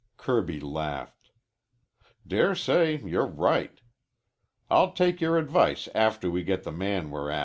Kirby laughed. "Dare say you're right. I'll take your advice after we get the man we're after."